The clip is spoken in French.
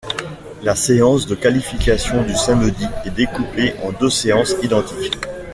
La séance de qualifications du samedi est découpée en deux séances identiques.